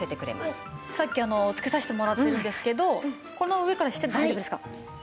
さっきあのつけさせてもらってるんですけどこの上からしても大丈夫ですか？